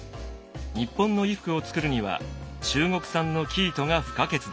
日本の衣服を作るには中国産の生糸が不可欠でした。